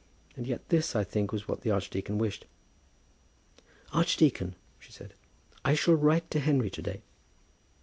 And yet this, I think, was what the archdeacon wished. "Archdeacon," she said, "I shall write to Henry to day."